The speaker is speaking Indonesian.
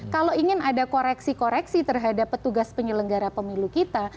kalau ingin ada koreksi koreksi terhadap petugas penyelenggara pemilu kita